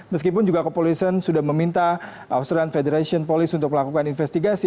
meskipun juga kepolisian sudah meminta australian federation police untuk melakukan investigasi